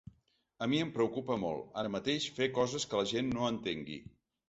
A mi em preocupa molt, ara mateix, fer coses que la gent no entengui.